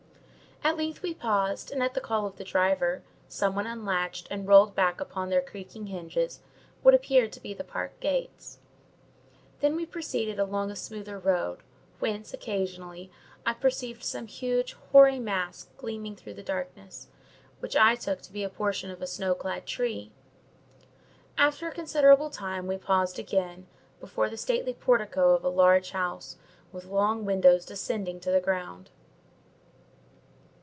At length we paused; and, at the call of the driver, someone unlatched and rolled back upon their creaking hinges what appeared to be the park gates. Then we proceeded along a smoother road, whence, occasionally, I perceived some huge, hoary mass gleaming through the darkness, which I took to be a portion of a snow clad tree. After a considerable time we paused again, before the stately portico of a large house with long windows descending to the ground.